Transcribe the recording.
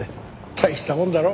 大したもんだろ？